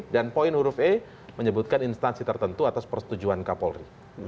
poin huruf e menyebutkan instansi tertentu atas persetujuan kapolri